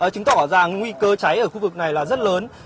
chứng tỏ rằng nguy cơ cháy ở khu vực này là rất lớn